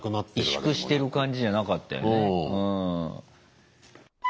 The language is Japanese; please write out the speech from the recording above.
萎縮してる感じじゃなかったよね。